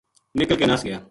نکل کے نَس گیا